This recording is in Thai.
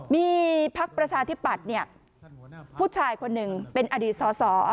มีพักประชาธิปัตย์ผู้ชายคนหนึ่งเป็นอดีตสอสอ